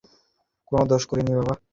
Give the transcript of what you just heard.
কোনো দোষ কর নি বাবা।